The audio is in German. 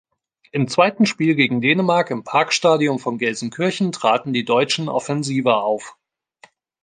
Im zweiten Spiel gegen Dänemark im Parkstadion von Gelsenkirchen traten die Deutschen offensiver auf.